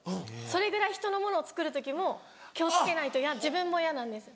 それぐらい人のものを作る時も気を付けないと自分も嫌なんです。